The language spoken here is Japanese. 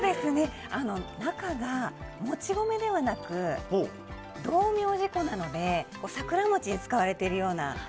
中がもち米ではなく道明寺粉なので桜餅に使われているような。